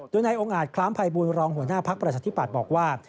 โดยนายองค์อาจคล้ามภัยบูรณรองหัวหน้าภักดิ์ประชาธิปัตย์บอกว่า